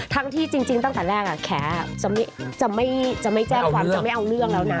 ที่จริงตั้งแต่แรกแขจะไม่แจ้งความจะไม่เอาเรื่องแล้วนะ